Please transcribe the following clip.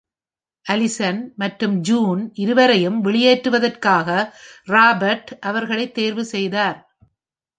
அலிசன் மற்றும் ஜூன் இருவரையும் வெளியேற்றுவதற்காக ராபர்ட் அவர்களை தேர்வு செய்தார்.